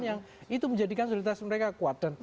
yang itu menjadikan solidaritas mereka kuat